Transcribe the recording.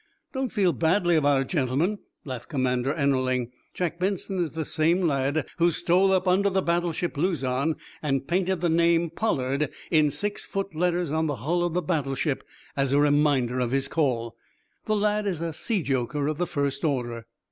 "Don't feel badly about it, gentlemen," laughed Commander Ennerling. "Jack Benson is the same lad who stole up under the battleship 'Luzon,' and painted the name, 'Pollard,' in sixfoot letters on the hull of the battleship as a reminder of his call. The lad is a sea joker of the first order."